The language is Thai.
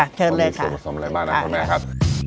ค่ะเดี๋ยวเลยค่ะมีส่วนผสมอะไรบ้างนะคุณแม่ครับ